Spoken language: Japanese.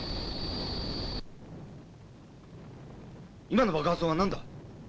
今の爆発音は何だ？